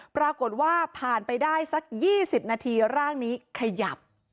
ปรากฏว่าผ่านไปได้สัก๒๐นาทีร่างนี้ขยับ